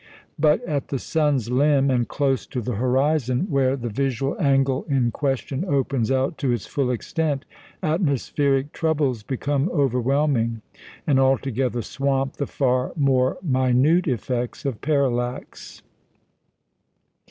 But at the sun's limb, and close to the horizon, where the visual angle in question opens out to its full extent, atmospheric troubles become overwhelming, and altogether swamp the far more minute effects of parallax.